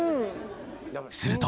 すると。